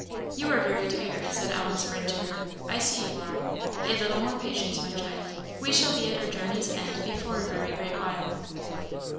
You are very tired," said Ellen's friend to her "I see you are. A little more patience, my child we shall be at our journey's end before a very great while."